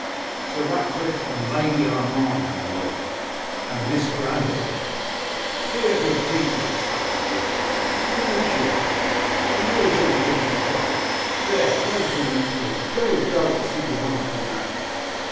'Sir Ratcliffe and Lady Armine, my lady, and Miss Grandison.' 'Dear, good people!' exclaimed Lady Bellair, 'how late you are! and where is your wicked son? There, go into the next room, go, go, and see the wonderful man.